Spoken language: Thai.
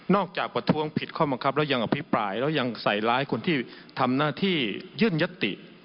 จากประท้วงผิดข้อบังคับแล้วยังอภิปรายแล้วยังใส่ร้ายคนที่ทำหน้าที่ยื่นยติ